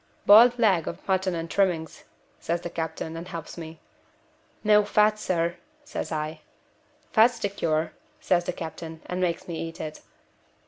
'Boiled leg of mutton and trimmings,' says the captain, and helps me. 'No fat, sir,' says I. 'Fat's the cure,' says the captain, and makes me eat it.